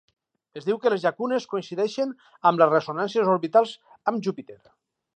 Es diu que les llacunes coincideixen amb les ressonàncies orbitals amb Júpiter.